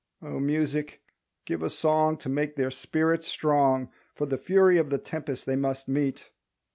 O Music give a song To make their spirit strong For the fury of the tempest they must meet.